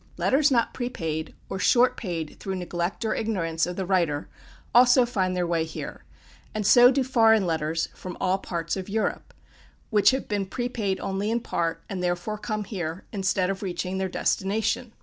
Letters not prepaid, or short paid, through neglect or ignorance of the writer, also find their way here; and so do foreign letters, from all parts of Europe, which have been prepaid only in part, and therefore come here, instead of reaching their destination.